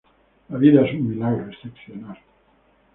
La vida es un milagro excepcional.